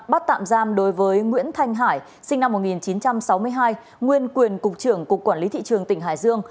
bắt tạm giam đối với nguyễn thanh hải sinh năm một nghìn chín trăm sáu mươi hai nguyên quyền cục trưởng cục quản lý thị trường tỉnh hải dương